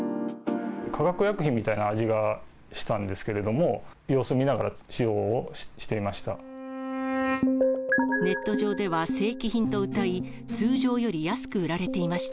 化学薬品みたいな味がしたんですけれども、様子見ながら使用をしていました。